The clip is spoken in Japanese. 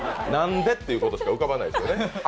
何で？ということしか浮かばないですね。